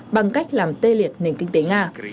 bằng cách làm tê liệt nền kinh tế nga